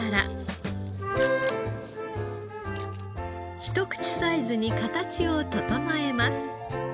ひとくちサイズに形を整えます。